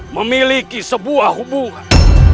memiliki sebuah hubungan